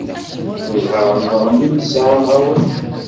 D ẓẓher-nneɣ mi nesεa aɣawas.